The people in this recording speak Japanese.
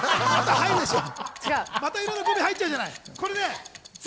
またいろいろゴミ入っちゃうじゃない。